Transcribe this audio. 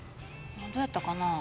どうやったかな？